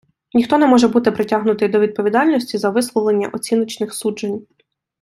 Ніхто не може бути притягнутий до відповідальності за висловлення оціночних суджень.